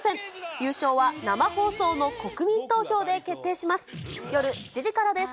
優勝は生放送の国民投票で決定します。